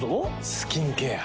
スキンケア。